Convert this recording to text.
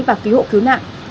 và cứu hộ cứu nạn